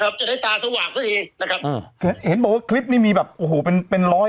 จะได้ตาสว่างซะเองนะครับอ่าเห็นบอกว่าคลิปนี้มีแบบโอ้โหเป็นเป็นร้อย